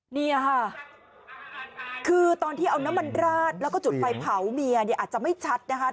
เนี่ยค่ะคือตอนที่เอาน้ำมันราดแล้วก็จุดไฟเผาเมียเนี่ยอาจจะไม่ชัดนะคะ